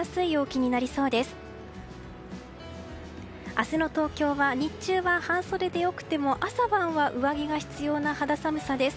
明日の東京は日中は、半袖で良くても朝晩は上着が必要な肌寒さです。